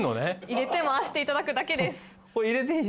入れて回していただくだけです